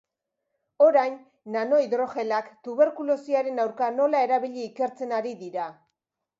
Orain, nanohidrogelak tuberkulosiaren aurka nola erabili ikertzen ari dira.